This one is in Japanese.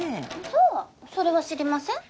さあそれは知りません。